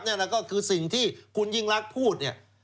นั่นก็คือสิ่งที่คุณยิ่งรักพูดเนี่ย